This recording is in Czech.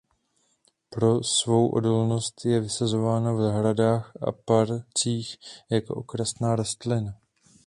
Pro svou odolnost je vysazována v zahradách a parcích jako okrasná rostlina.